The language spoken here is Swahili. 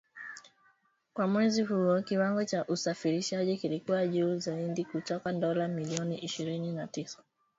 Kwa mwezi huo, kiwango cha usafirishaji kilikuwa juu zaidi kutoka dola milioni ishirini na tisa